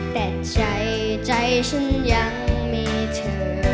แต่ใจใจฉันยังมีเธอ